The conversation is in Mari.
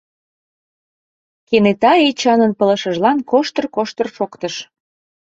Кенета Эчанын пылышыжлан коштыр-коштыр шоктыш.